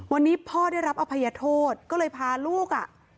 วันนี้พ่อได้รับอภัยโทษก็เลยพาลูกอ่ะ